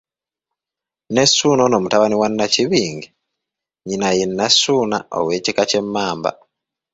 NE Ssuuna ono mutabani wa Nnakibinge, nnyina ye Nassuuna ow'ekika ky'Emmamba.